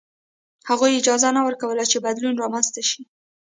هغوی اجازه نه ورکوله چې بدلون رامنځته شي.